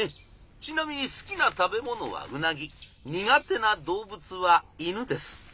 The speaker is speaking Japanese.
ちなみに好きな食べ物はウナギ苦手な動物は犬です。